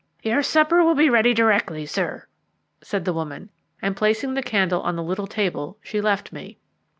"Your supper will be ready directly, sir," said the woman, and placing the candle on the little table, she left me.